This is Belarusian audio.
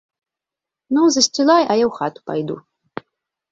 Ну, засцілай, а я ў хату пайду.